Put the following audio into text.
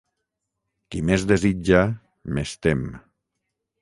Qui més desitja, més tem.